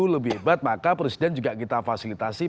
lebih hebat maka presiden juga kita fasilitasi